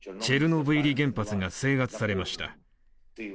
チェルノブイリ原発が制圧されました。